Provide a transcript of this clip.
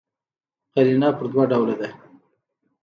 قرینه پر دوه ډوله ده.